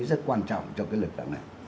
rất quan trọng cho cái lực lượng này